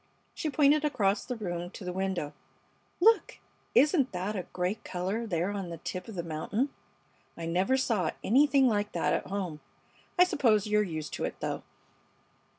She pointed across the room to the window. "Look! Isn't that a great color there on the tip of the mountain? I never saw anything like that at home. I suppose you're used to it, though."